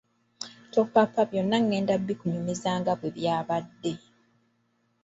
Topapa byonna ngenda kubikunyumiza nga bwe byabadde.